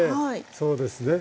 そうですね。